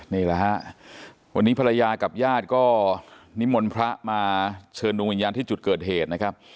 นี่แหละฮะวันนี้ภรรยากับญาติก็นิมนต์พระมาเชิญดวงวิญญาณที่จุดเกิดเหตุนะครับ